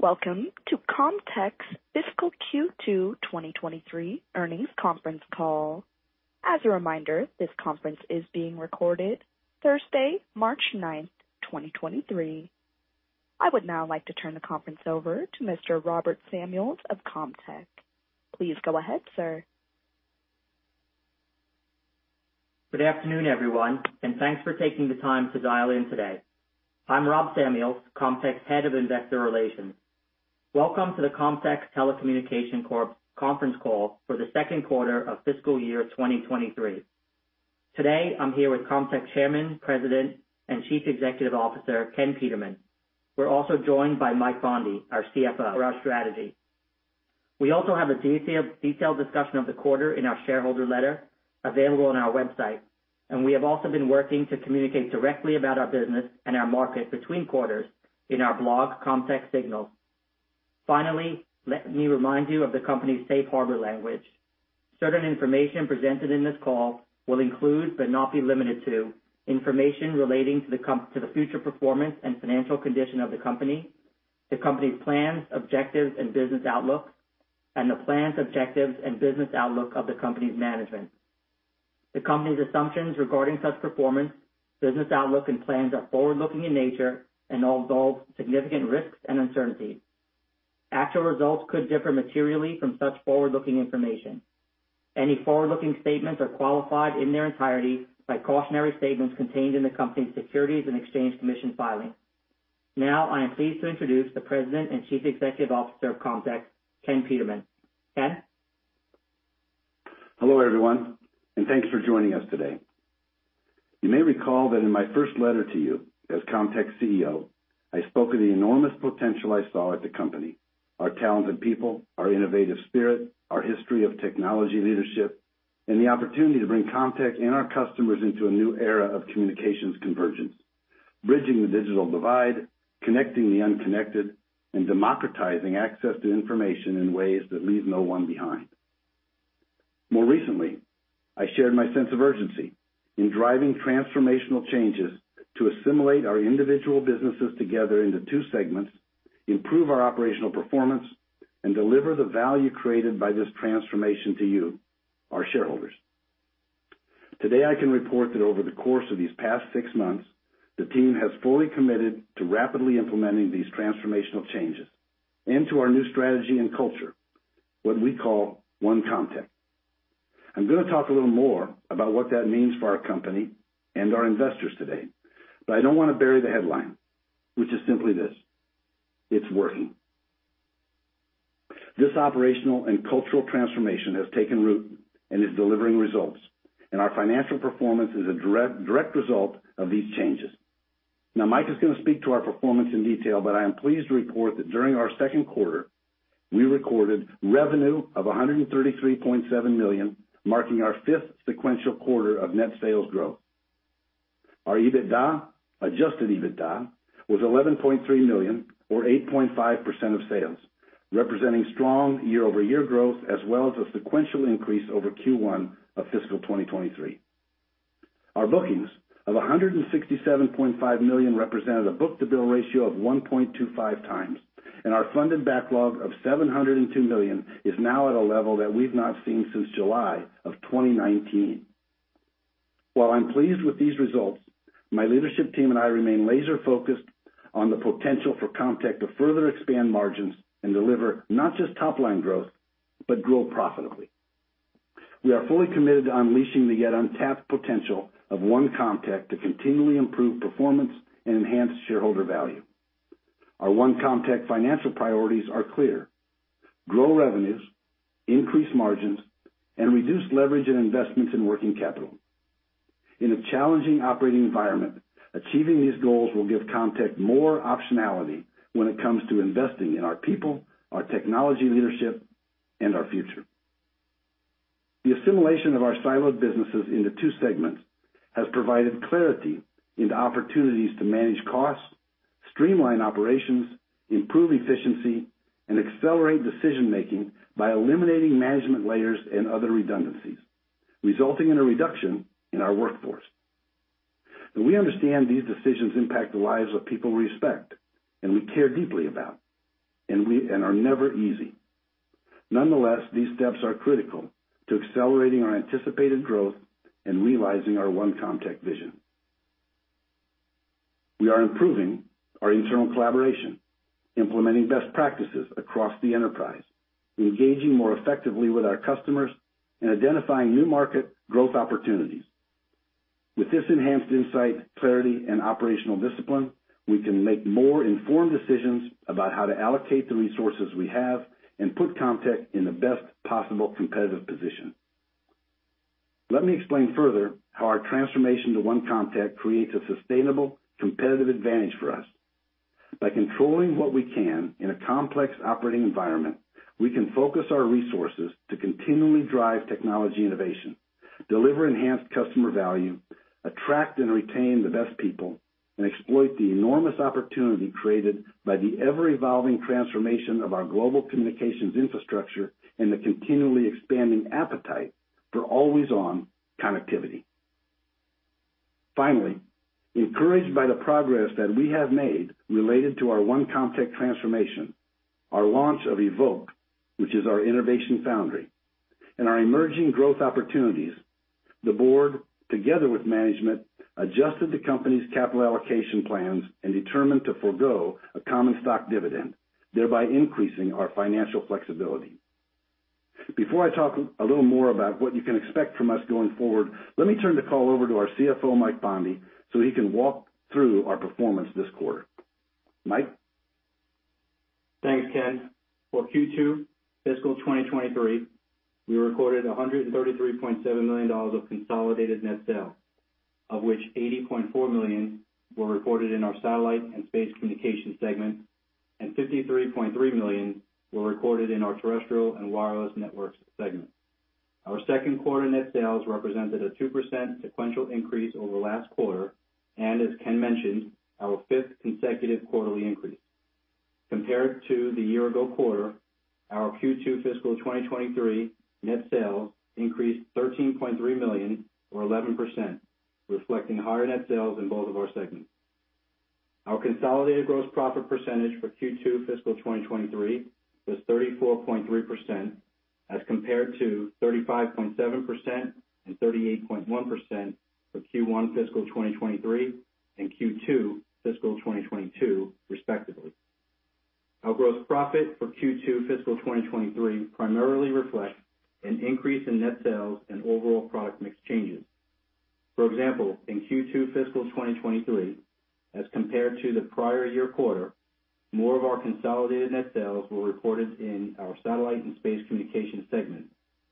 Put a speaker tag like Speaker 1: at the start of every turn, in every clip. Speaker 1: Welcome to Comtech's fiscal Q2 2023 earnings conference call. As a reminder, this conference is being recorded Thursday, March 9th, 2023. I would now like to turn the conference over to Mr. Robert Samuels of Comtech. Please go ahead, sir.
Speaker 2: Good afternoon, everyone, and thanks for taking the time to dial in today. I'm Rob Samuels, Comtech's Head of Investor Relations. Welcome to the Comtech Telecommunications Corp. conference call for the second quarter of fiscal year 2023. Today I'm here with Comtech Chairman, President, and Chief Executive Officer, Ken Peterman. We're also joined by Mike Bondi, our CFO for our strategy. We also have a detailed discussion of the quarter in our shareholder letter available on our website, and we have also been working to communicate directly about our business and our market between quarters in our blog, Comtech Signal. Finally, let me remind you of the company's safe harbor language. Certain information presented in this call will include, but not be limited to, information relating to the to the future performance and financial condition of the company, the company's plans, objectives, and business outlook, and the plans, objectives, and business outlook of the company's management. The company's assumptions regarding such performance, business outlook, and plans are forward-looking in nature and all involve significant risks and uncertainties. Actual results could differ materially from such forward-looking information. Any forward-looking statements are qualified in their entirety by cautionary statements contained in the company's Securities and Exchange Commission filing. Now I am pleased to introduce the President and Chief Executive Officer of Comtech, Ken Peterman. Ken.
Speaker 3: Hello, everyone, thanks for joining us today. You may recall that in my first letter to you as Comtech's CEO, I spoke of the enormous potential I saw at the company. Our talented people, our innovative spirit, our history of technology leadership, and the opportunity to bring Comtech and our customers into a new era of communications convergence, bridging the digital divide, connecting the unconnected, and democratizing access to information in ways that leave no one behind. More recently, I shared my sense of urgency in driving transformational changes to assimilate our individual businesses together into two segments, improve our operational performance, and deliver the value created by this transformation to you, our shareholders. Today, I can report that over the course of these past six months, the team has fully committed to rapidly implementing these transformational changes and to our new strategy and culture, what we call One Comtech. I'm gonna talk a little more about what that means for our company and our investors today, I don't wanna bury the headline, which is simply this: It's working. This operational and cultural transformation has taken root and is delivering results, Our financial performance is a direct result of these changes. Now, Mike is gonna speak to our performance in detail, I am pleased to report that during our second quarter, we recorded revenue of $133.7 million, marking our fifth sequential quarter of net sales growth. Our EBITDA, adjusted EBITDA was $11.3 million or 8.5% of sales, representing strong year-over-year growth as well as a sequential increase over Q1 of fiscal 2023. Our bookings of $167.5 million represented a book-to-bill ratio of 1.25x, and our funded backlog of $702 million is now at a level that we've not seen since July of 2019. While I'm pleased with these results, my leadership team and I remain laser-focused on the potential for Comtech to further expand margins and deliver not just top-line growth, but grow profitably. We are fully committed to unleashing the yet untapped potential of One Comtech to continually improve performance and enhance shareholder value. Our One Comtech financial priorities are clear: grow revenues, increase margins, and reduce leverage in investments in working capital. In a challenging operating environment, achieving these goals will give Comtech more optionality when it comes to investing in our people, our technology leadership, and our future. The assimilation of our siloed businesses into two segments has provided clarity into opportunities to manage costs, streamline operations, improve efficiency, and accelerate decision-making by eliminating management layers and other redundancies, resulting in a reduction in our workforce. We understand these decisions impact the lives of people we respect and we care deeply about, and are never easy. Nonetheless, these steps are critical to accelerating our anticipated growth and realizing our One Comtech vision. We are improving our internal collaboration, implementing best practices across the enterprise, engaging more effectively with our customers, and identifying new market growth opportunities. With this enhanced insight, clarity, and operational discipline, we can make more informed decisions about how to allocate the resources we have and put Comtech in the best possible competitive position. Let me explain further how our transformation to One Comtech creates a sustainable competitive advantage for us. By controlling what we can in a complex operating environment, we can focus our resources to continually drive technology innovation, deliver enhanced customer value, attract and retain the best people, and exploit the enormous opportunity created by the ever-evolving transformation of our global communications infrastructure and the continually expanding appetite for always-on connectivity. Encouraged by the progress that we have made related to our One Comtech transformation, our launch of EVOKE, which is our innovation foundry, and our emerging growth opportunities, the board, together with management, adjusted the company's capital allocation plans and determined to forego a common stock dividend, thereby increasing our financial flexibility. Before I talk a little more about what you can expect from us going forward, let me turn the call over to our CFO, Mike Bondi, so he can walk through our performance this quarter. Mike?
Speaker 4: Thanks, Ken. For Q2 fiscal 2023, we recorded $133.7 million of consolidated net sales, of which $80.4 million were reported in our Satellite and Space Communications segment and $53.3 million were recorded in our Terrestrial and Wireless Networks segment. Our second quarter net sales represented a 2% sequential increase over last quarter and as Ken mentioned, our fifth consecutive quarterly increase. Compared to the year ago quarter, our Q2 fiscal 2023 net sales increased $13.3 million or 11%, reflecting higher net sales in both of our segments. Our consolidated gross profit percentage for Q2 fiscal 2023 was 34.3% as compared to 35.7% and 38.1% for Q1 fiscal 2023 and Q2 fiscal 2022, respectively. Our gross profit for Q2 fiscal 2023 primarily reflects an increase in net sales and overall product mix changes. For example, in Q2 fiscal 2023, as compared to the prior year quarter, more of our consolidated net sales were reported in our Satellite and Space Communications segment,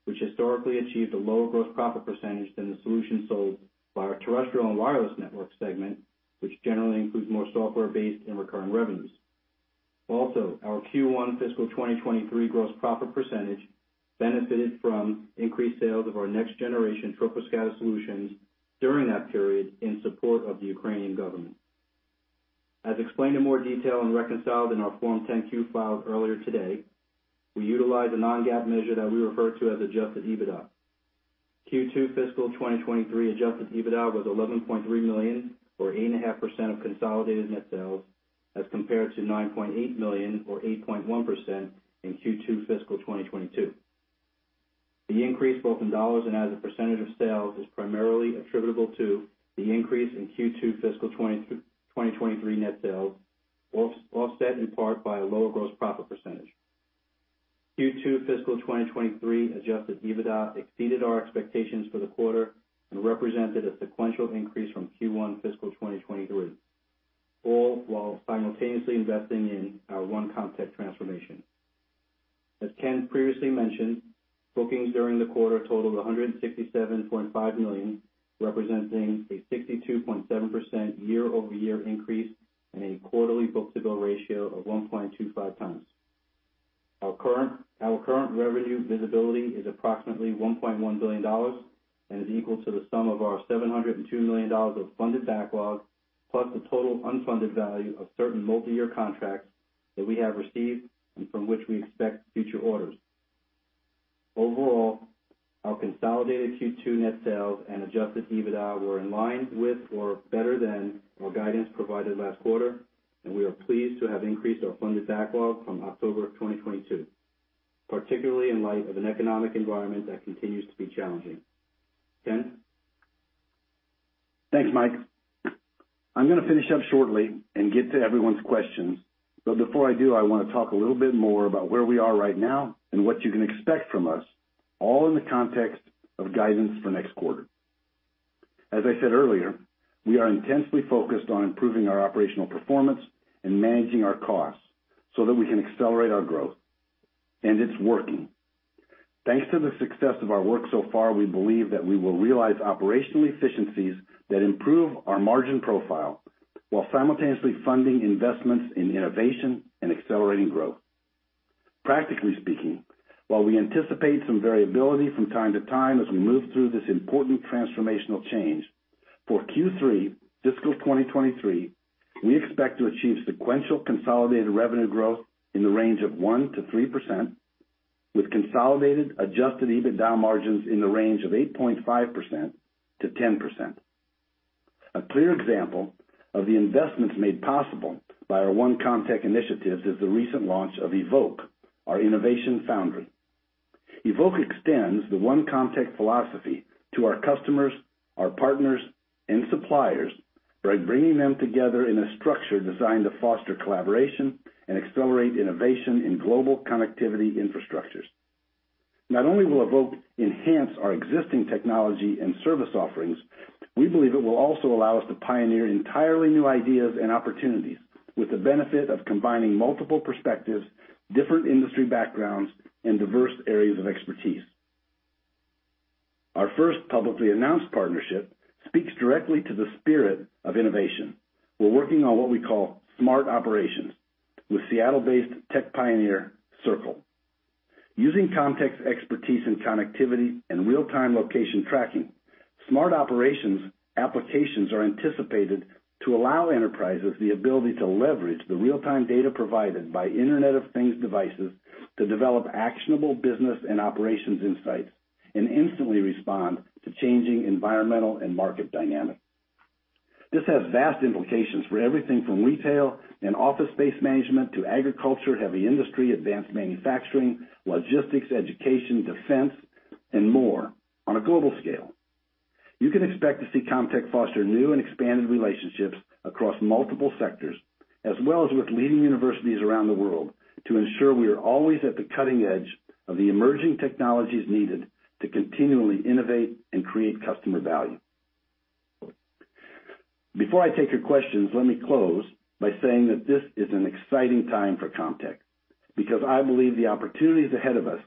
Speaker 4: which historically achieved a lower gross profit percentage than the solution sold by our Terrestrial and Wireless Networks segment, which generally includes more software-based and recurring revenues. Our Q1 fiscal 2023 gross profit percentage benefited from increased sales of our next-generation Troposcatter solutions during that period in support of the Ukrainian government. As explained in more detail and reconciled in our Form 10-Q filed earlier today, we utilize a non-GAAP measure that we refer to as adjusted EBITDA. Q2 fiscal 2023 adjusted EBITDA was $11.3 million or 8.5% of consolidated net sales as compared to $9.8 million or 8.1% in Q2 fiscal 2022. The increase both in dollars and as a % of sales is primarily attributable to the increase in Q2 fiscal 2023 net sales, offset in part by a lower gross profit %. Q2 fiscal 2023 adjusted EBITDA exceeded our expectations for the quarter and represented a sequential increase from Q1 fiscal 2023, all while simultaneously investing in our One Comtech transformation. As Ken previously mentioned, bookings during the quarter totaled $167.5 million, representing a 62.7% year-over-year increase and a quarterly book-to-bill ratio of 1.25x. Our current revenue visibility is approximately $1.1 billion and is equal to the sum of our $702 million of funded backlog, plus the total unfunded value of certain multi-year contracts that we have received and from which we expect future orders. Overall, our consolidated Q2 net sales and adjusted EBITDA were in line with or better than our guidance provided last quarter. We are pleased to have increased our funded backlog from October of 2022, particularly in light of an economic environment that continues to be challenging. Ken?
Speaker 3: Thanks, Mike. I'm gonna finish up shortly and get to everyone's questions. Before I do, I wanna talk a little bit more about where we are right now and what you can expect from us, all in the context of guidance for next quarter. As I said earlier, we are intensely focused on improving our operational performance and managing our costs so that we can accelerate our growth. It's working. Thanks to the success of our work so far, we believe that we will realize operational efficiencies that improve our margin profile while simultaneously funding investments in innovation and accelerating growth. Practically speaking, while we anticipate some variability from time to time as we move through this important transformational change, for Q3 fiscal 2023, we expect to achieve sequential consolidated revenue growth in the range of 1%-3% with consolidated adjusted EBITDA margins in the range of 8.5%-10%. A clear example of the investments made possible by our One Comtech initiatives is the recent launch of EVOKE, our innovation foundry. EVOKE extends the One Comtech philosophy to our customers, our partners, and suppliers by bringing them together in a structure designed to foster collaboration and accelerate innovation in global connectivity infrastructures. Not only will EVOKE enhance our existing technology and service offerings, we believe it will also allow us to pioneer entirely new ideas and opportunities with the benefit of combining multiple perspectives, different industry backgrounds, and diverse areas of expertise. Our first publicly announced partnership speaks directly to the spirit of innovation. We're working on what we call Smart Operations with Seattle-based tech pioneer Sirqul. Using Comtech's expertise in connectivity and real-time location tracking, Smart Operations applications are anticipated to allow enterprises the ability to leverage the real-time data provided by Internet of Things devices to develop actionable business and operations insights, and instantly respond to changing environmental and market dynamics. This has vast implications for everything from retail and office space management to agriculture, heavy industry, advanced manufacturing, logistics, education, defense, and more on a global scale. You can expect to see Comtech foster new and expanded relationships across multiple sectors, as well as with leading universities around the world to ensure we are always at the cutting edge of the emerging technologies needed to continually innovate and create customer value. Before I take your questions, let me close by saying that this is an exciting time for Comtech because I believe the opportunities ahead of us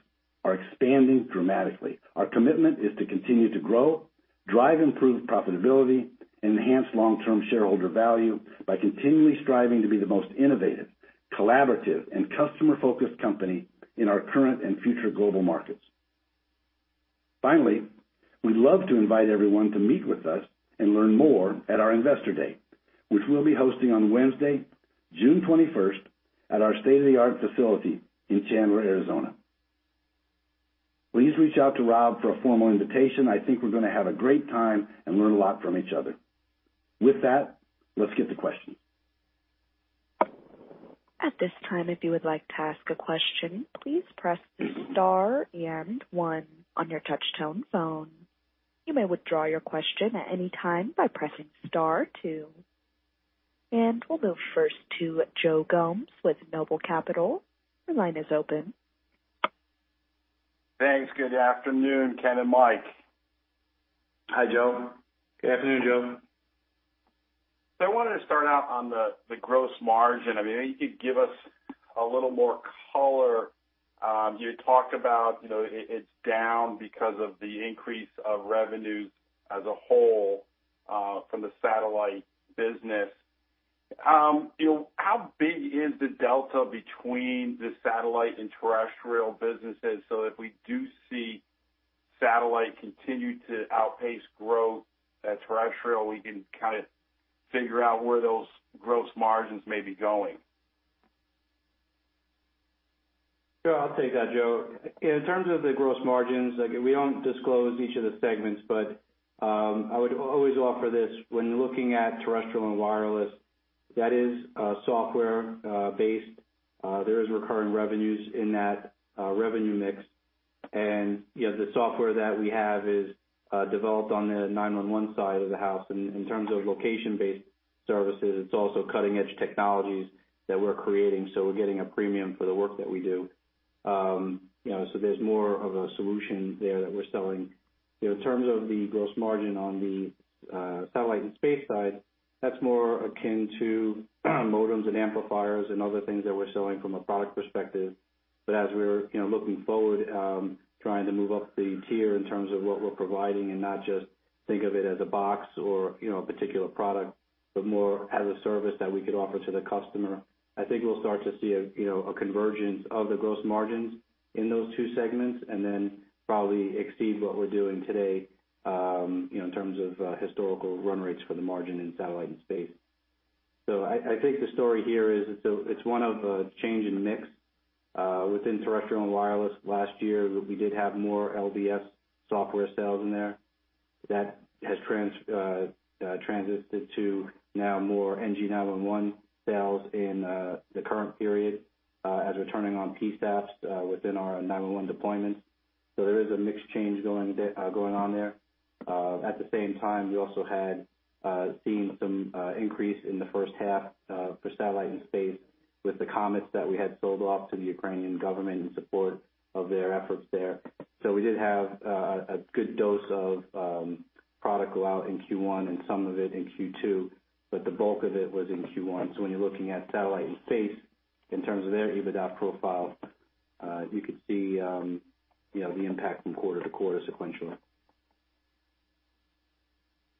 Speaker 3: are expanding dramatically. Our commitment is to continue to grow, drive improved profitability, enhance long-term shareholder value by continually striving to be the most innovative, collaborative, and customer-focused company in our current and future global markets. Finally, we'd love to invite everyone to meet with us and learn more at our Investor Day, which we'll be hosting on Wednesday, June 21st, at our state-of-the-art facility in Chandler, Arizona. Please reach out to Rob for a formal invitation. I think we're gonna have a great time and learn a lot from each other. With that, let's get to questions.
Speaker 1: At this time, if you would like to ask a question, please press star one on your touch-tone phone. You may withdraw your question at any time by pressing star two. We'll go first to Joe Gomes with Noble Capital. Your line is open.
Speaker 5: Thanks. Good afternoon, Ken and Mike.
Speaker 3: Hi, Joe.
Speaker 4: Good afternoon, Joe.
Speaker 5: I wanted to start out on the gross margin. I mean, you could give us a little more color. You talked about, you know, it's down because of the increase of revenues as a whole from the satellite business. You know, how big is the delta between the satellite and terrestrial businesses? If we do see satellite continue to outpace growth at terrestrial, we can kinda figure out where those gross margins may be going.
Speaker 4: Sure. I'll take that, Joe. In terms of the gross margins, again, we don't disclose each of the segments, but I would always offer this when looking at Terrestrial and Wireless, that is software based. There is recurring revenues in that revenue mix. You know, the software that we have is developed on the 911 side of the house. In terms of location-based services, it's also cutting-edge technologies that we're creating, so we're getting a premium for the work that we do. You know, there's more of a solution there that we're selling. You know, in terms of the gross margin on the Satellite and Space side, that's more akin to modems and amplifiers and other things that we're selling from a product perspective. As we're, you know, looking forward, trying to move up the tier in terms of what we're providing and not just think of it as a box or, you know, a particular product, but more as a service that we could offer to the customer. I think we'll start to see a, you know, a convergence of the gross margins in those two segments and then probably exceed what we're doing today, you know, in terms of historical run rates for the margin in Satellite and Space. I think the story here is it's one of a change in mix within Terrestrial and Wireless. Last year, we did have more LBS software sales in there. That has transited to now more NG911 sales in the current period, as we're turning on PSAPs within our 911 deployments. There is a mix change going on there. At the same time, you also had seen some increase in the first half for Satellite and Space with the COMET that we had sold off to the Ukrainian government in support of their efforts there. We did have a good dose of product go out in Q1 and some of it in Q2, but the bulk of it was in Q1. When you're looking at Satellite and Space in terms of their EBITDA profile, you could see, you know, the impact from quarter to quarter sequentially.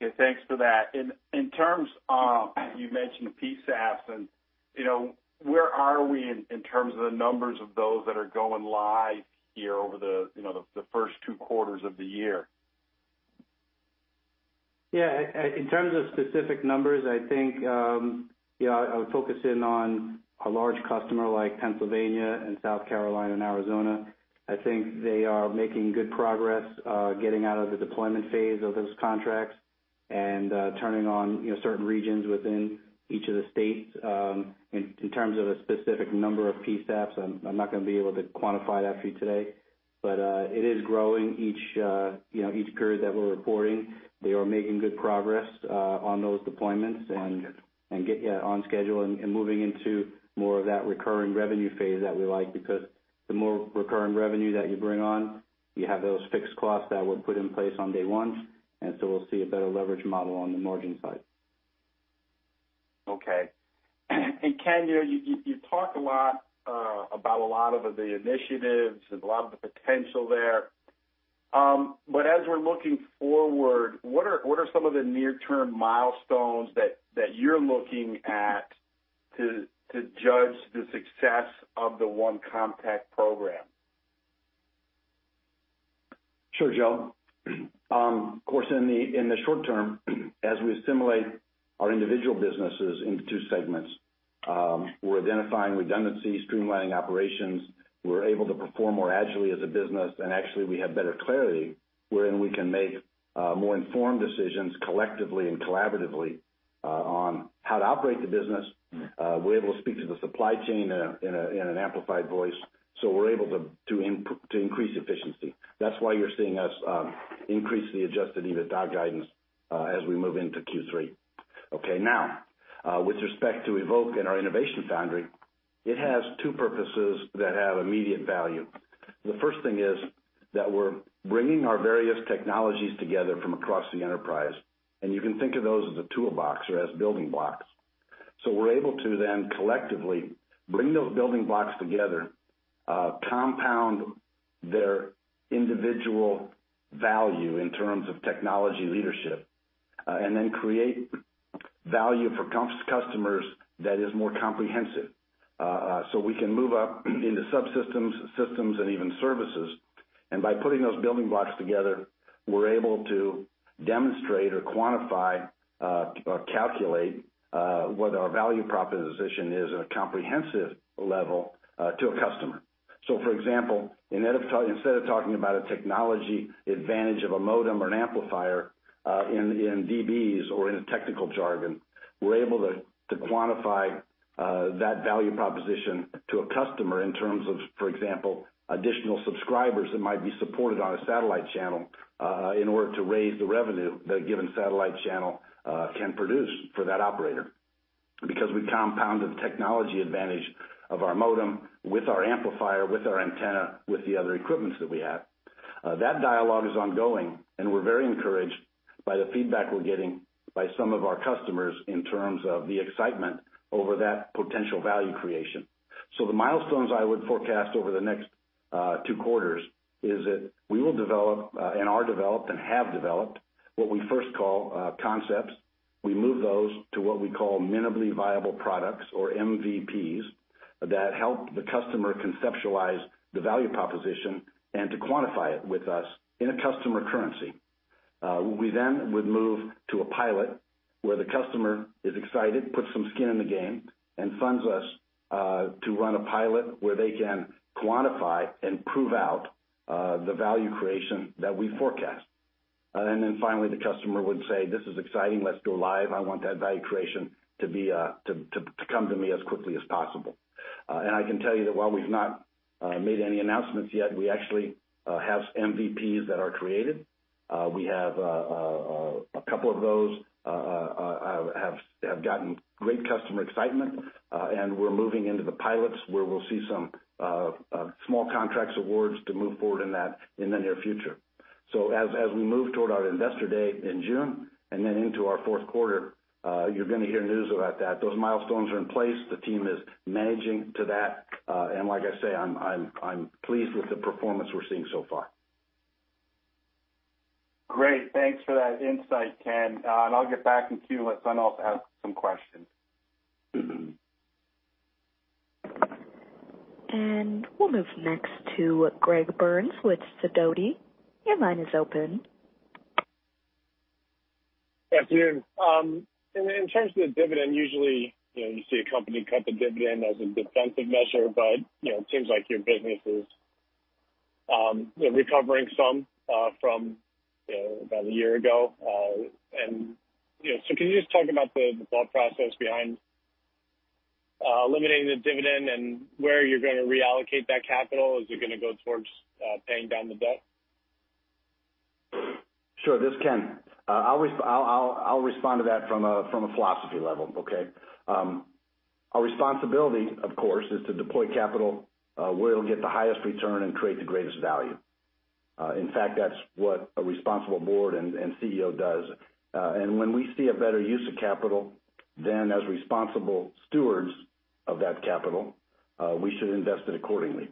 Speaker 5: Yeah, thanks for that. In terms of, you mentioned PSAPs, and, you know, where are we in terms of the numbers of those that are going live here over the, you know, the first two quarters of the year?
Speaker 4: Yeah. In terms of specific numbers, I think, you know, I would focus in on a large customer like Pennsylvania and South Carolina and Arizona. I think they are making good progress, getting out of the deployment phase of those contracts and, turning on, you know, certain regions within each of the states. In, in terms of a specific number of PSAPs, I'm not gonna be able to quantify that for you today, but, it is growing each, you know, each period that we're reporting. They are making good progress, on those deployments.
Speaker 5: On schedule.
Speaker 4: Get, yeah, on schedule and moving into more of that recurring revenue phase that we like. The more recurring revenue that you bring on, you have those fixed costs that were put in place on day one, we'll see a better leverage model on the margin side.
Speaker 5: Okay. Ken, you talked a lot about a lot of the initiatives and a lot of the potential there. As we're looking forward, what are some of the near-term milestones that you're looking at to judge the success of the One Comtech program?
Speaker 3: Sure, Joe. Of course, in the, in the short term, as we assimilate our individual businesses into segments. We're identifying redundancies, streamlining operations. We're able to perform more agilely as a business, and actually we have better clarity wherein we can make more informed decisions collectively and collaboratively on how to operate the business. We're able to speak to the supply chain in an amplified voice, so we're able to increase efficiency. That's why you're seeing us increase the adjusted EBITDA guidance as we move into Q3. Okay. Now, with respect to EVOKE and our innovation foundry, it has two purposes that have immediate value. The first thing is that we're bringing our various technologies together from across the enterprise, and you can think of those as a toolbox or as building blocks. We're able to then collectively bring those building blocks together, compound their individual value in terms of technology leadership, and then create value for customers that is more comprehensive, so we can move up into subsystems, systems, and even services. By putting those building blocks together, we're able to demonstrate or quantify, or calculate, what our value proposition is at a comprehensive level, to a customer. For example, instead of talking about a technology advantage of a modem or an amplifier, in DBs or in a technical jargon, we're able to quantify, that value proposition to a customer in terms of, for example, additional subscribers that might be supported on a satellite channel, in order to raise the revenue that a given satellite channel, can produce for that operator. Because we compounded the technology advantage of our modem with our amplifier, with our antenna, with the other equipments that we have. That dialogue is ongoing, and we're very encouraged by the feedback we're getting by some of our customers in terms of the excitement over that potential value creation. The milestones I would forecast over the next two quarters is that we will develop and have developed what we first call concepts. We move those to what we call minimally viable products or MVPs that help the customer conceptualize the value proposition and to quantify it with us in a customer currency. We then would move to a pilot where the customer is excited, puts some skin in the game, and funds us to run a pilot where they can quantify and prove out the value creation that we forecast. Finally, the customer would say, "This is exciting. Let's go live. I want that value creation to be to come to me as quickly as possible." I can tell you that while we've not made any announcements yet, we actually have MVPs that are created. We have a couple of those have gotten great customer excitement, and we're moving into the pilots where we'll see some small contracts awards to move forward in that in the near future. As we move toward our Investor Day in June and then into our fourth quarter, you're gonna hear news about that. Those milestones are in place. The team is managing to that. Like I say, I'm pleased with the performance we're seeing so far.
Speaker 5: Great. Thanks for that insight, Ken. I'll get back in queue. Let someone else ask some questions.
Speaker 3: Mm-hmm.
Speaker 1: We'll move next to Greg Burns with Sidoti. Your line is open.
Speaker 6: Yeah, Jim. In terms of the dividend, usually, you know, you see a company cut the dividend as a defensive measure, but, you know, it seems like your business is, you know, recovering some from, you know, about a year ago. Can you just talk about the thought process behind eliminating the dividend and where you're gonna reallocate that capital? Is it gonna go towards paying down the debt?
Speaker 3: Sure. This is Ken. I'll respond to that from a, from a philosophy level, okay? Our responsibility, of course, is to deploy capital, where it'll get the highest return and create the greatest value. In fact, that's what a responsible board and CEO does. When we see a better use of capital, then as responsible stewards of that capital, we should invest it accordingly.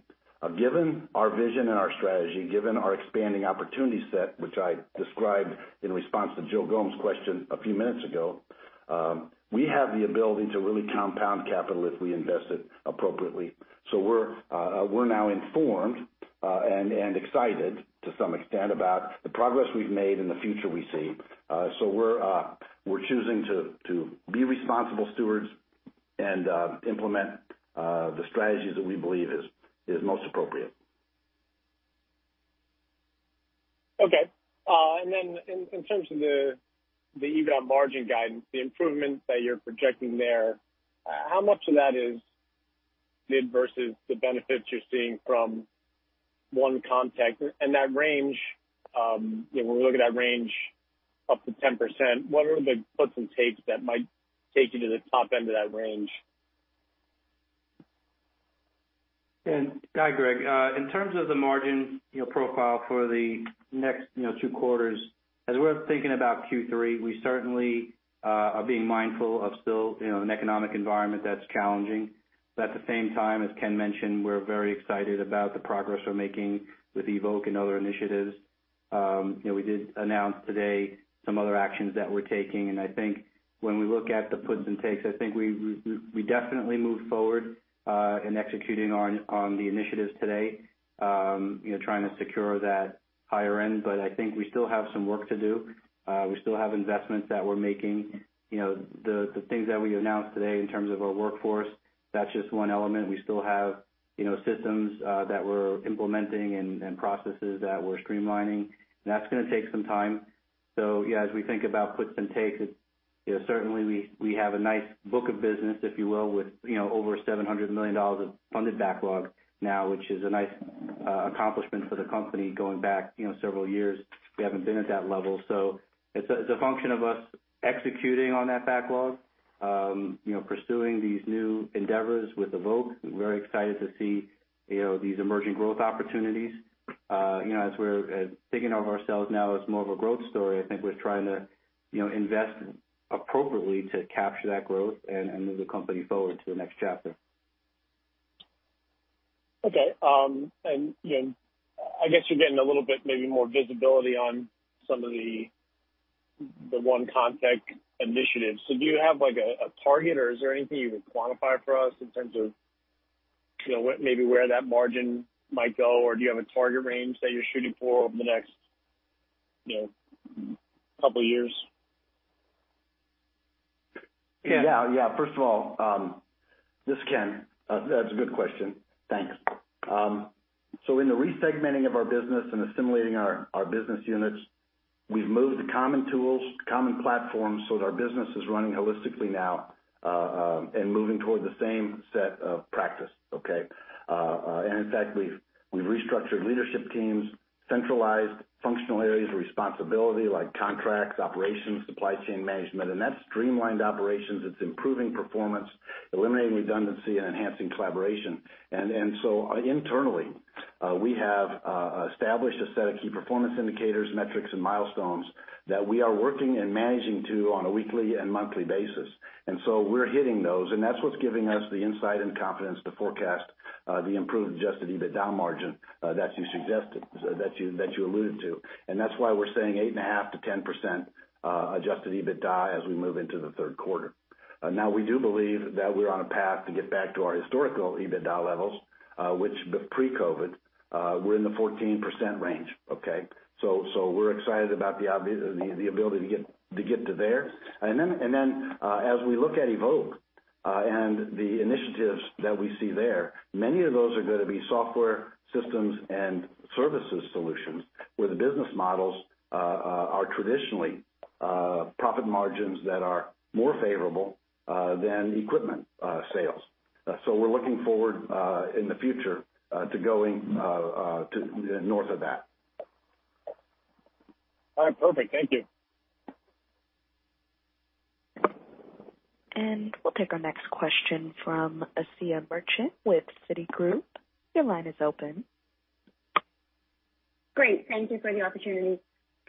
Speaker 3: Given our vision and our strategy, given our expanding opportunity set, which I described in response to Joe Gomes' question a few minutes ago, we have the ability to really compound capital if we invest it appropriately. We're now informed, and excited to some extent about the progress we've made and the future we see. We're choosing to be responsible stewards and implement the strategies that we believe is most appropriate.
Speaker 6: Okay. in terms of the EBITDA margin guidance, the improvement that you're projecting there, how much of that is mid versus the benefits you're seeing from One Comtech? That range, you know, when we look at that range up to 10%, what are the puts and takes that might take you to the top end of that range?
Speaker 4: Yeah. Hi, Greg. In terms of the margin, you know, profile for the next, you know, two quarters, as we're thinking about Q3, we certainly are being mindful of still, you know, an economic environment that's challenging. At the same time, as Ken mentioned, we're very excited about the progress we're making with EVOKE and other initiatives. You know, we did announce today some other actions that we're taking, and I think when we look at the puts and takes, I think we definitely move forward in executing on the initiatives today, you know, trying to secure that higher end. I think we still have some work to do. We still have investments that we're making. You know, the things that we announced today in terms of our workforce, that's just one element. We still have, you know, systems that we're implementing and processes that we're streamlining, that's going to take some time. Yeah, as we think about puts and takes, you know, certainly we have a nice book of business, if you will, with, you know, over $700 million of funded backlog now, which is a nice accomplishment for the company going back, you know, several years. We haven't been at that level. It's a function of us executing on that backlog, you know, pursuing these new endeavors with EVOKE. We're very excited to see, you know, these emerging growth opportunities. You know, as we're thinking of ourselves now as more of a growth story, I think we're trying to, you know, invest appropriately to capture that growth and move the company forward to the next chapter.
Speaker 6: You know, I guess you're getting a little bit maybe more visibility on some of the One Comtech initiatives. So do you have, like, a target or is there anything you would quantify for us in terms of, you know, maybe where that margin might go? Or do you have a target range that you're shooting for over the next, you know, couple years?
Speaker 3: Yeah. First of all, this is Ken. That's a good question. Thanks. In the re-segmenting of our business and assimilating our business units, we've moved to common tools, common platforms so that our business is running holistically now, and moving toward the same set of practice. Okay? In fact, we've restructured leadership teams, centralized functional areas of responsibility like contracts, operations, supply chain management, and that's streamlined operations. It's improving performance, eliminating redundancy and enhancing collaboration. Internally, we have established a set of key performance indicators, metrics, and milestones that we are working and managing to on a weekly and monthly basis. We're hitting those, and that's what's giving us the insight and confidence to forecast the improved adjusted EBITDA margin that you suggested, that you alluded to. That's why we're saying 8.5%-10% adjusted EBITDA as we move into the third quarter. We do believe that we're on a path to get back to our historical EBITDA levels, which pre-COVID, were in the 14% range. Okay? We're excited about the ability to get to there. As we look at EVOKE, and the initiatives that we see there, many of those are gonna be software systems and services solutions, where the business models are traditionally profit margins that are more favorable than equipment sales. We're looking forward, in the future, to going, to north of that.
Speaker 6: All right, perfect. Thank you.
Speaker 1: We'll take our next question from Asiya Merchant with Citigroup. Your line is open.
Speaker 7: Great. Thank you for the opportunity.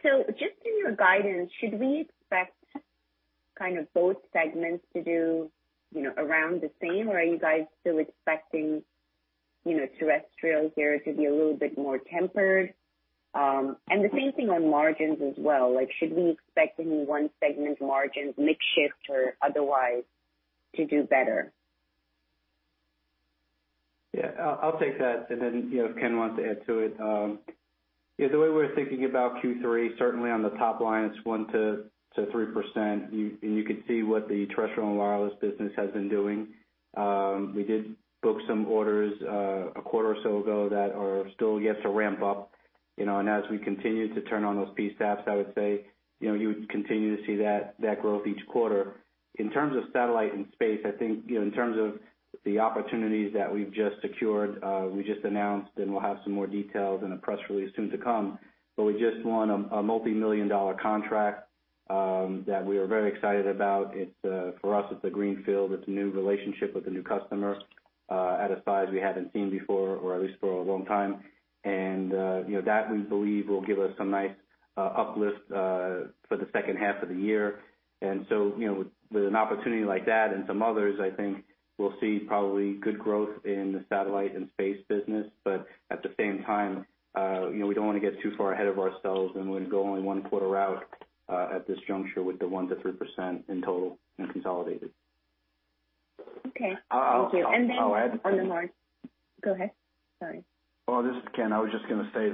Speaker 7: Just in your guidance, should we expect kind of both segments to do, you know, around the same, or are you guys still expecting, you know, terrestrial here to be a little bit more tempered? The same thing on margins as well. Like, should we expect any one segment margins, mix shift or otherwise to do better?
Speaker 4: I'll take that and then, you know, if Ken wants to add to it. The way we're thinking about Q3, certainly on the top line it's 1%-3%. You could see what the Terrestrial and Wireless Networks business has been doing. We did book some orders a quarter or so ago that are still yet to ramp up, you know, and as we continue to turn on those PSAPs, I would say, you know, you would continue to see that growth each quarter. In terms of Satellite and Space Communications, I think, you know, in terms of the opportunities that we've just secured, we just announced and we'll have some more details in a press release soon to come, we just won a multimillion-dollar contract that we are very excited about. It's for us, it's a greenfield. It's a new relationship with a new customer, at a size we haven't seen before, or at least for a long time. you know, that we believe will give us some nice uplift for the second half of the year. you know, with an opportunity like that and some others, I think we'll see probably good growth in the Satellite and Space business. At the same time, you know, we don't wanna get too far ahead of ourselves, and we'd go only one quarter out at this juncture with the 1%-3% in total and consolidated.
Speaker 7: Okay. Thank you.
Speaker 3: I'll, I'll-
Speaker 7: One more. Go ahead. Sorry.
Speaker 3: This is Ken. I was just gonna say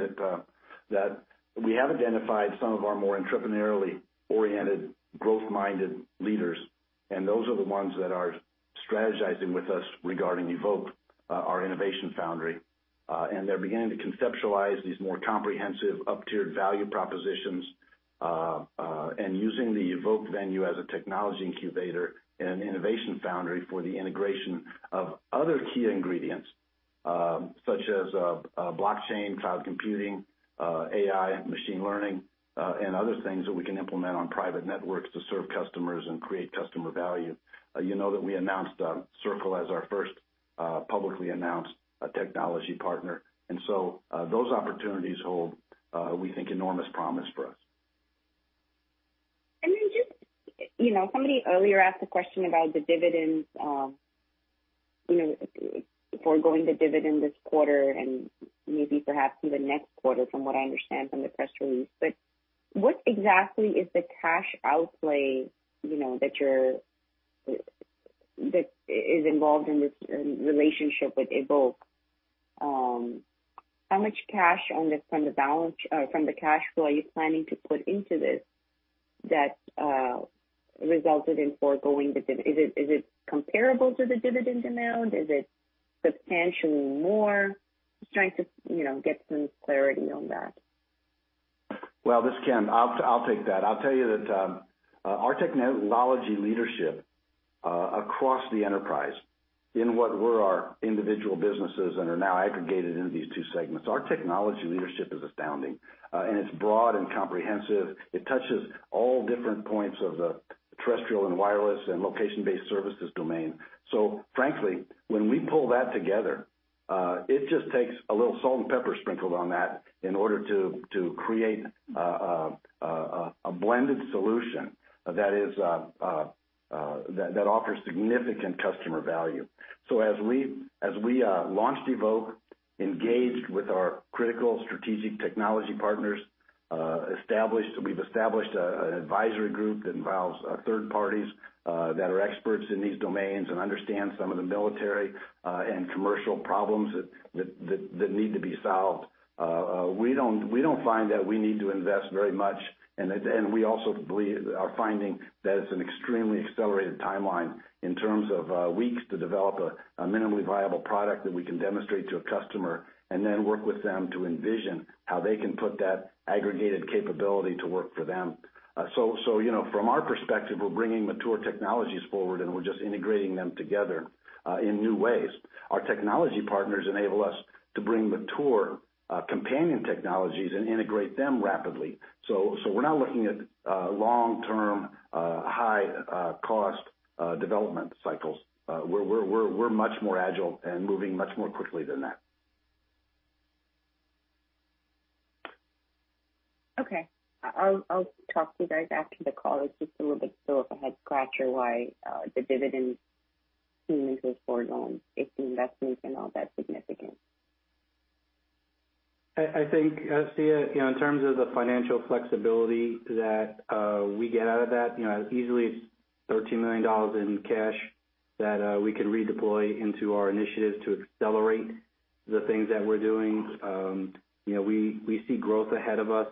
Speaker 3: that we have identified some of our more entrepreneurially oriented growth-minded leaders, and those are the ones that are strategizing with us regarding EVOKE, our innovation foundry. They're beginning to conceptualize these more comprehensive up-tiered value propositions and using the EVOKE venue as a technology incubator and an innovation foundry for the integration of other key ingredients, such as blockchain, cloud computing, AI, machine learning, and other things that we can implement on private networks to serve customers and create customer value. You know that we announced Sirqul as our first publicly announced technology partner. Those opportunities hold, we think enormous promise for us.
Speaker 7: You know, somebody earlier asked a question about the dividends, you know, forgoing the dividend this quarter and maybe perhaps even next quarter, from what I understand from the press release. What exactly is the cash outlay, you know, that is involved in this relationship with EVOKE? How much cash on this from the cash flow are you planning to put into this that resulted in forgoing the dividend? Is it comparable to the dividend amount? Is it substantially more? Just trying to, you know, get some clarity on that.
Speaker 3: Well, this is Ken. I'll take that. I'll tell you that our technology leadership across the enterprise in what were our individual businesses and are now aggregated into these two segments, our technology leadership is astounding, and it's broad and comprehensive. It touches all different points of the terrestrial and wireless and location-based services domain. Frankly, when we pull that together, it just takes a little salt and pepper sprinkled on that in order to create a blended solution that is, that offers significant customer value. As we launched EVOKE, engaged with our critical strategic technology partners, we've established an advisory group that involves third parties that are experts in these domains and understand some of the military and commercial problems that need to be solved. We don't find that we need to invest very much. At the end, we also believe are finding that it's an extremely accelerated timeline in terms of weeks to develop a minimally viable product that we can demonstrate to a customer and then work with them to envision how they can put that aggregated capability to work for them. You know, from our perspective, we're bringing mature technologies forward, and we're just integrating them together in new ways. Our technology partners enable us to bring mature, companion technologies and integrate them rapidly. We're not looking at, long-term, high, cost, development cycles. We're much more agile and moving much more quickly than that.
Speaker 7: Okay. I'll talk to you guys after the call. It's just a little bit still of a head-scratcher why the dividend seems to have foregone if the investment is, you know, that significant.
Speaker 4: I think, Stacia, you know, in terms of the financial flexibility that we get out of that, you know, easily $13 million in cash that we can redeploy into our initiatives to accelerate the things that we're doing. You know, we see growth ahead of us,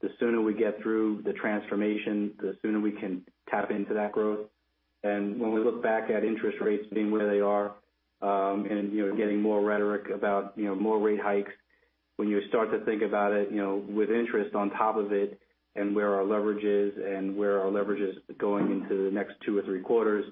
Speaker 4: the sooner we get through the transformation, the sooner we can tap into that growth. When we look back at interest rates being where they are, and, you know, getting more rhetoric about, you know, more rate hikes, when you start to think about it, you know, with interest on top of it and where our leverage is and where our leverage is going into the next 2 or 3 quarters,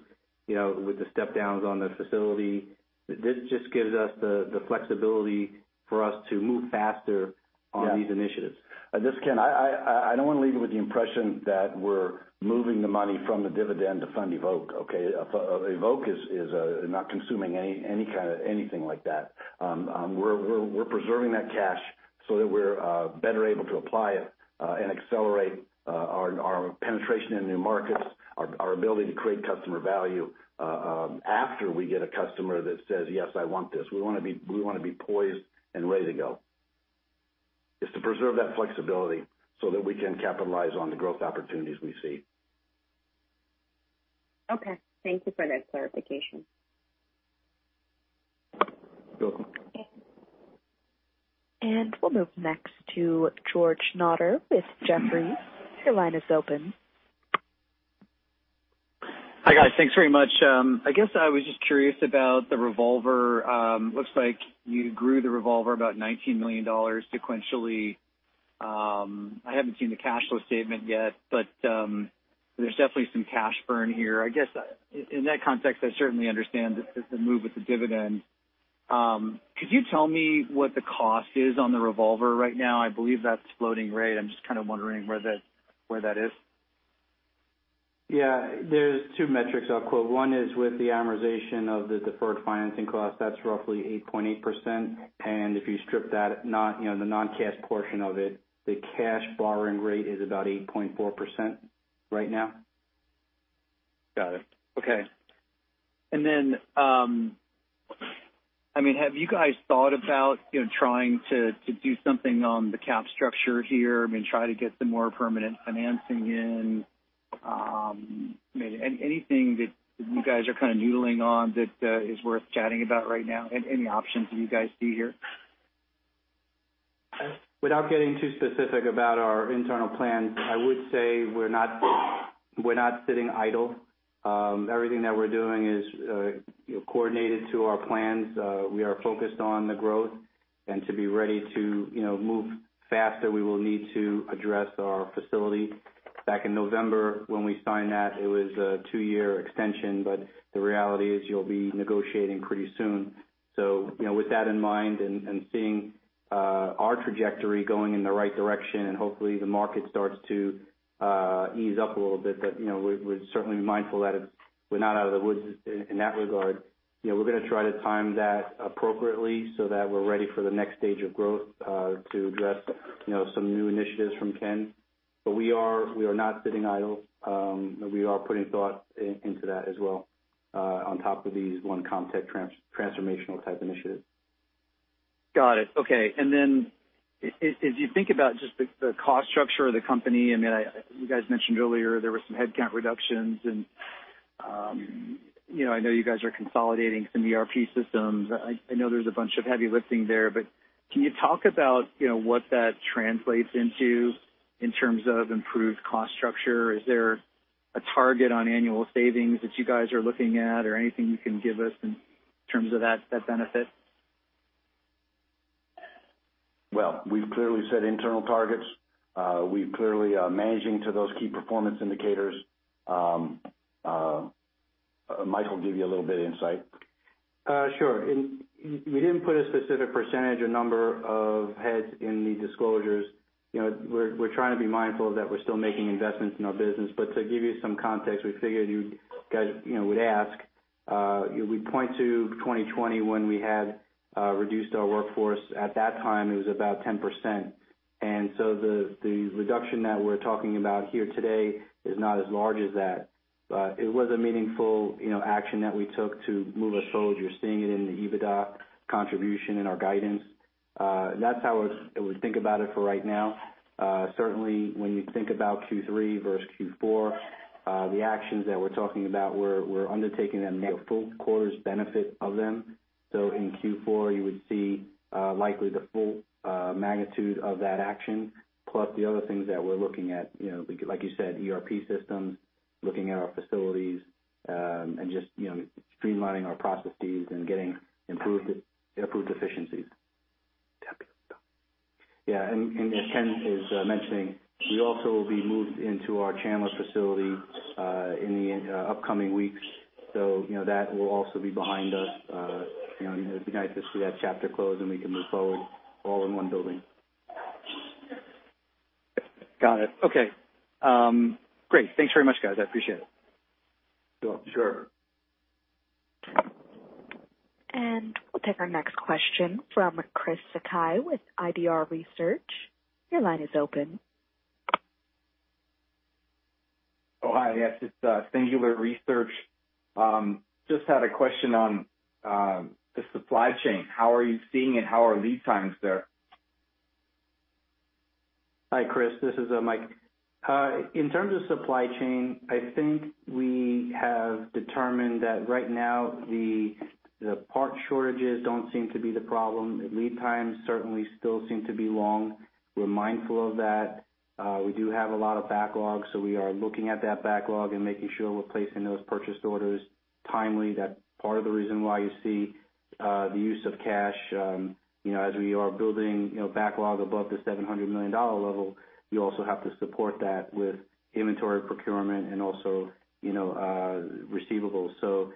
Speaker 4: you know, with the step downs on the facility, this just gives us the flexibility for us to move faster...
Speaker 3: Yeah.
Speaker 4: on these initiatives.
Speaker 3: This is Ken. I don't wanna leave you with the impression that we're moving the money from the dividend to fund EVOKE, okay? EVOKE is not consuming any kind of anything like that. We're preserving that cash so that we're better able to apply it and accelerate our penetration in new markets, our ability to create customer value, after we get a customer that says, "Yes, I want this." We wanna be poised and ready to go. It's to preserve that flexibility so that we can capitalize on the growth opportunities we see.
Speaker 7: Okay. Thank you for that clarification.
Speaker 3: You're welcome.
Speaker 7: Okay.
Speaker 1: We'll move next to George Notter with Jefferies. Your line is open.
Speaker 8: Hi, guys. Thanks very much. I guess I was just curious about the revolver. Looks like you grew the revolver about $19 million sequentially. I haven't seen the cash flow statement yet, but there's definitely some cash burn here. I guess in that context, I certainly understand the move with the dividend. Could you tell me what the cost is on the revolver right now? I believe that's floating rate. I'm just kind of wondering where that is.
Speaker 4: Yeah. There's two metrics I'll quote. One is with the amortization of the deferred financing cost, that's roughly 8.8%. If you strip that, you know, the non-cash portion of it, the cash borrowing rate is about 8.4% right now.
Speaker 8: Got it. Okay. I mean, have you guys thought about, you know, trying to do something on the cap structure here? I mean, try to get some more permanent financing in? I mean, anything that you guys are kind of noodling on that, is worth chatting about right now? Any, any options you guys see here?
Speaker 4: Without getting too specific about our internal plans, I would say we're not sitting idle. Everything that we're doing is, you know, coordinated to our plans. We are focused on the growth and to be ready to, you know, move faster, we will need to address our facility. Back in November, when we signed that, it was a two-year extension, but the reality is you'll be negotiating pretty soon. You know, with that in mind and seeing our trajectory going in the right direction, and hopefully the market starts to ease up a little bit, that, you know, we're certainly mindful that we're not out of the woods in that regard. You know, we're gonna try to time that appropriately so that we're ready for the next stage of growth to address, you know, some new initiatives from Ken. We are not sitting idle. We are putting thought into that as well on top of these One Comtech transformational type initiatives.
Speaker 8: Got it. Okay. As, as you think about just the cost structure of the company, I mean, you guys mentioned earlier there were some headcount reductions and, you know, I know you guys are consolidating some ERP systems. I know there's a bunch of heavy lifting there, but can you talk about, you know, what that translates into in terms of improved cost structure? Is there a target on annual savings that you guys are looking at or anything you can give us in terms of that benefit?
Speaker 3: We've clearly set internal targets. We clearly are managing to those key performance indicators. Mike will give you a little bit of insight.
Speaker 4: Sure. We didn't put a specific percentage or number of heads in the disclosures. You know, we're trying to be mindful of that. We're still making investments in our business. To give you some context, we figured you guys, you know, would ask. We point to 2020 when we had reduced our workforce. At that time, it was about 10%. The reduction that we're talking about here today is not as large as that. It was a meaningful, you know, action that we took to move us forward. You're seeing it in the EBITDA contribution in our guidance. That's how I would think about it for right now. Certainly when you think about Q3 versus Q4, the actions that we're talking about, we're undertaking them now, full quarter's benefit of them. In Q4, you would see likely the full magnitude of that action. Plus the other things that we're looking at, you know, like you said, ERP systems, looking at our facilities, and just, you know, streamlining our processes and getting improved efficiencies. As Ken is mentioning, we also will be moved into our Chandler facility, in the upcoming weeks. That will also be behind us. You know, it'd be nice to see that chapter close, and we can move forward all in one building.
Speaker 8: Got it. Okay. Great. Thanks very much, guys. I appreciate it.
Speaker 4: Sure.
Speaker 3: Sure.
Speaker 1: We'll take our next question from Chris Sakai with Singular Research. Your line is open.
Speaker 9: Oh, hi. Yes, it's Singular Research. Just had a question on the supply chain. How are you seeing it? How are lead times there?
Speaker 4: Hi, Chris. This is Mike. In terms of supply chain, I think we have determined that right now, the part shortages don't seem to be the problem. Lead times certainly still seem to be long. We're mindful of that. We do have a lot of backlog, so we are looking at that backlog and making sure we're placing those purchase orders timely. That's part of the reason why you see the use of cash. You know, as we are building, you know, backlog above the $700 million level, you also have to support that with inventory procurement and also, you know, receivables.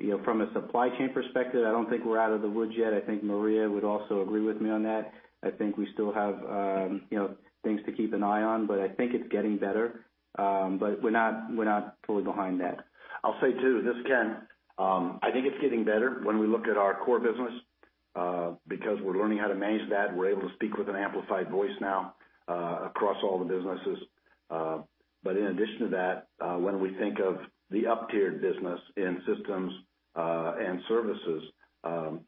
Speaker 4: You know, from a supply chain perspective, I don't think we're out of the woods yet. I think Maria would also agree with me on that. I think we still have, you know, things to keep an eye on, but I think it's getting better. We're not, we're not fully behind that.
Speaker 3: I'll say, too, this is Ken. I think it's getting better when we look at our core business, because we're learning how to manage that. We're able to speak with an amplified voice now, across all the businesses. In addition to that, when we think of the up-tiered business in systems, and services,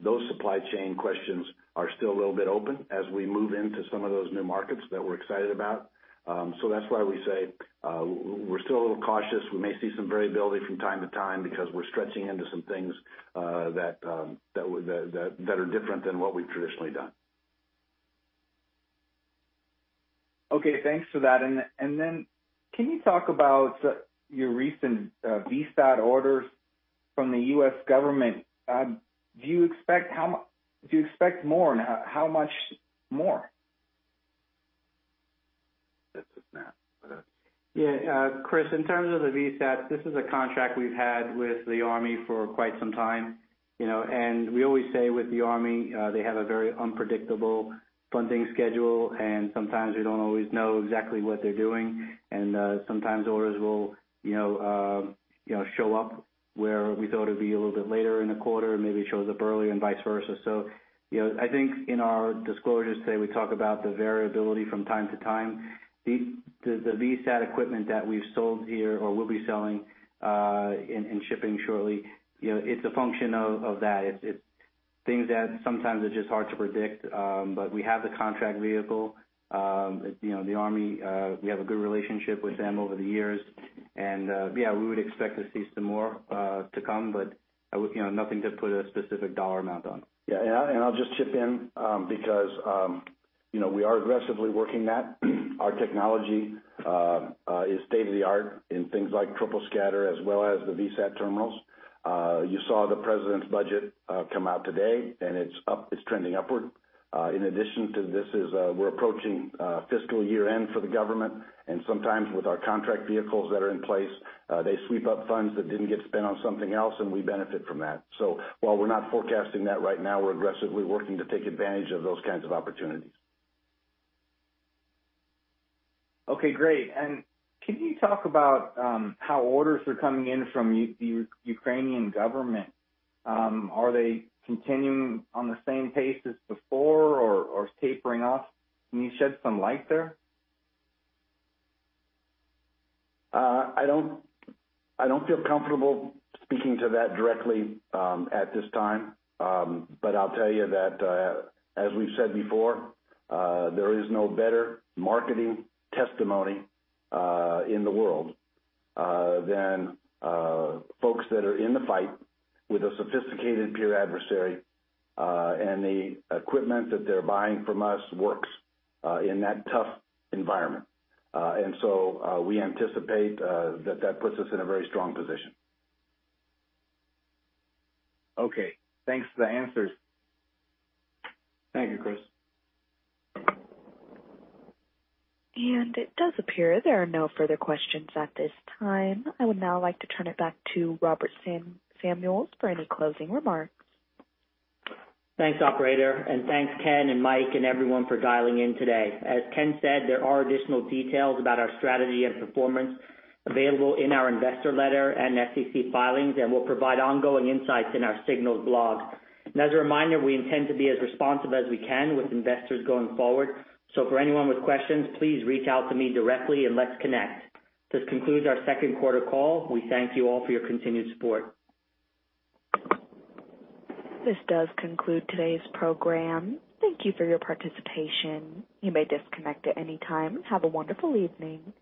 Speaker 3: those supply chain questions are still a little bit open as we move into some of those new markets that we're excited about. That's why we say, we're still a little cautious. We may see some variability from time to time because we're stretching into some things, that are different than what we've traditionally done.
Speaker 9: Okay, thanks for that. Then can you talk about your recent VSAT orders from the U.S. government? Do you expect more, and how much more?
Speaker 4: Yeah, Chris, in terms of the VSAT, this is a contract we've had with the Army for quite some time, you know. We always say with the Army, they have a very unpredictable funding schedule, and sometimes we don't always know exactly what they're doing. Sometimes orders will, you know, you know, show up where we thought it'd be a little bit later in the quarter, and maybe it shows up early and vice versa. I think in our disclosures today, we talk about the variability from time to time. The, the VSAT equipment that we've sold here or will be selling, and shipping shortly, you know, it's a function of that. It's, it's things that sometimes are just hard to predict, but we have the contract vehicle. You know, the Army, we have a good relationship with them over the years. Yeah, we would expect to see some more to come, but, you know, nothing to put a specific dollar amount on.
Speaker 3: Yeah, I, and I'll just chip in, because, you know, we are aggressively working that. Our technology is state-of-the-art in things like troposcatter as well as the VSAT terminals. You saw the president's budget come out today, and it's up. It's trending upward. In addition to this is, we're approaching fiscal year-end for the government, and sometimes with our contract vehicles that are in place, they sweep up funds that didn't get spent on something else, and we benefit from that. While we're not forecasting that right now, we're aggressively working to take advantage of those kinds of opportunities.
Speaker 9: Okay, great. Can you talk about, how orders are coming in from the Ukrainian government? Are they continuing on the same pace as before or tapering off? Can you shed some light there?
Speaker 3: I don't feel comfortable speaking to that directly, at this time. I'll tell you that, as we've said before, there is no better marketing testimony in the world than folks that are in the fight with a sophisticated peer adversary, and the equipment that they're buying from us works in that tough environment. We anticipate that puts us in a very strong position.
Speaker 9: Okay, thanks for the answers.
Speaker 4: Thank you, Chris.
Speaker 1: It does appear there are no further questions at this time. I would now like to turn it back to Robert Samuels for any closing remarks.
Speaker 2: Thanks, operator. Thanks, Ken and Mike and everyone for dialing in today. As Ken said, there are additional details about our strategy and performance available in our investor letter and SEC filings, and we'll provide ongoing insights in our Signals blog. As a reminder, we intend to be as responsive as we can with investors going forward. For anyone with questions, please reach out to me directly and let's connect. This concludes our second quarter call. We thank you all for your continued support.
Speaker 1: This does conclude today's program. Thank you for your participation. You may disconnect at any time. Have a wonderful evening.